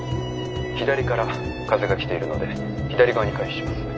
左から風が来ているので左側に回避します。